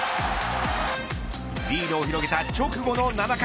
リードを広げた直後の７回。